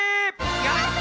やった！